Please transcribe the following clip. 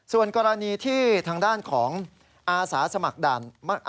ส่วนกรณีที่ทางด้านของอาสาสมัครด่าน